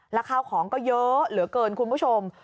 แล้วข้าวของก็เยอะเหลือเกินคุณผู้ชม